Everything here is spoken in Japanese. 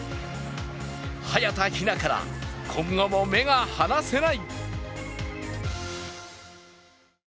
早田ひなから今後も目が離せない。